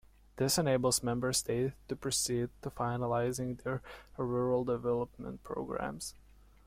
This enables Member States to proceed to finalising their rural development programmes.